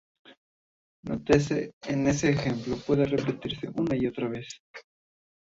Nótese que este ejemplo puede repetirse una y otra vez.